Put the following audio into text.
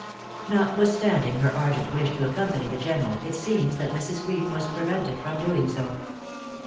Notwithstanding her ardent wish to accompany the General, it seems that Mrs. Greene was prevented from doing so.